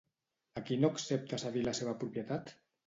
A qui no accepta cedir la seva propietat?